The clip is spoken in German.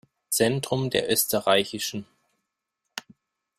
Zentrum der österr.